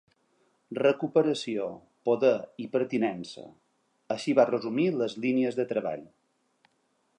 “Recuperació, poder i pertinença”, així va resumir les línies de treball.